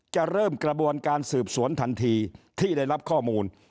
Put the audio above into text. จะเริ่มกระบวนการสืบสวนทันทีที่ได้รับข้อมูล